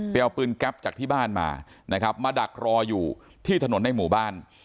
ไปเอาปืนแก๊ปจากที่บ้านมานะครับมาดักรออยู่ที่ถนนในหมู่บ้าน